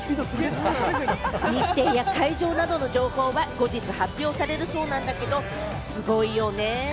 日程や会場などの情報は後日、発表されるそうなんだけれども、すごいよね。